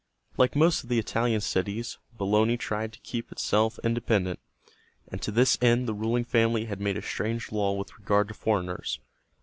Like most of the Italian cities Bologna tried to keep itself independent, and to this end the ruling family had made a strange law with regard to foreigners.